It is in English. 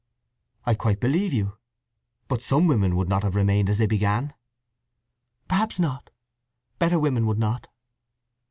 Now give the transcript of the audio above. "I quite believe you. But some women would not have remained as they began." "Perhaps not. Better women would not.